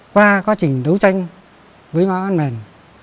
qua quá trình đấu tranh với bà văn mèn